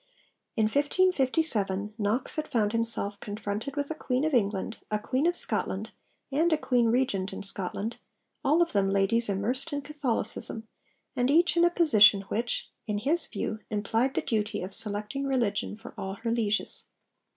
In 1557, Knox had found himself confronted with a Queen of England, a Queen of Scotland, and a Queen Regent in Scotland all of them ladies immersed in Catholicism, and each in a position which, in his view, implied the duty of selecting religion for all her lieges.